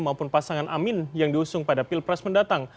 maupun pasangan amin yang diusung pada pilpres mendatang